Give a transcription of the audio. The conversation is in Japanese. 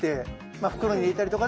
まあ袋に入れたりとかで？